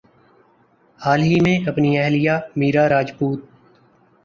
حال ہی میں اپنی اہلیہ میرا راجپوت